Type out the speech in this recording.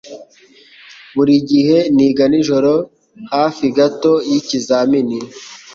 buri gihe niga nijoro hafi gato yikizamini